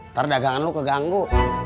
ntar dagangan lu keganggu